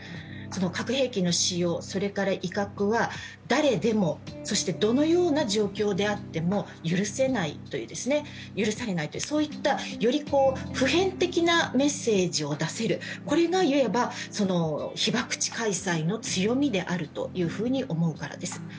核兵器の使用、威嚇は、誰でもそしてどのような状況であっても許せされないというより普遍的なメッセージを出せる、これが被爆地開催の強みであると思うからです。